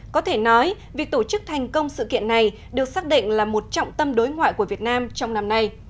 có thể nói việc tổ chức thành công sự kiện này được xác định là một trọng tâm đối ngoại của việt nam trong năm nay